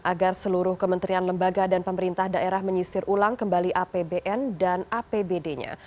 agar seluruh kementerian lembaga dan pemerintah daerah menyisir ulang kembali apbn dan apbd nya